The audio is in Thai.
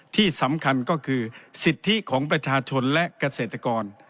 ที่สำคัญก็คือสิทธิของประชาชนและเกษตรกร